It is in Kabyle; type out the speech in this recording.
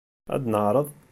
Ad neɛreḍ!